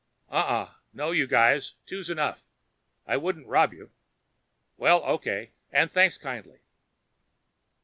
Uhuh. No, you guys. Two's enough. I wouldn't rob you. Well, okay, and thanks kindly.